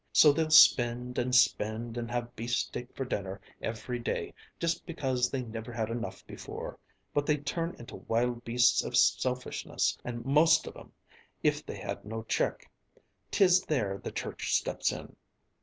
So they'll spend and spend and have beefsteak for dinner every day just because they never had enough before, but they'd turn into wild beasts of selfishness, most of 'em, if they had no check. 'Tis there the church steps in.